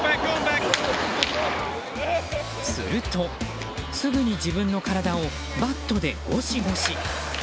するとすぐに自分の体をバットでごしごし。